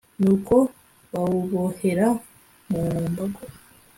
Nuko bawubohera mu mbago